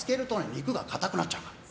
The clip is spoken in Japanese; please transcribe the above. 肉が硬くなっちゃうから。